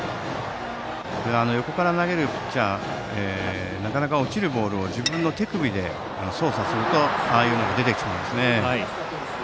横から投げるピッチャーは落ちるボールを自分の手首で操作するとああいうのが出てしまいますね。